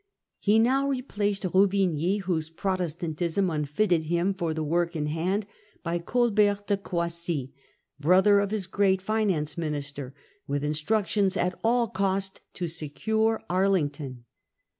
He now replaced Ruvigny, whose Pro testantism unfitted him for the work in hand, by Colbert de Croissy, brother of his great finance minister, with instructions at all cost to secure Arlington.